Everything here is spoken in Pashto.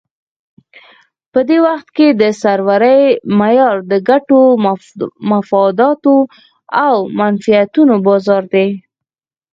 په دې وخت کې د سرورۍ معیار د ګټو، مفاداتو او منفعتونو بازار دی.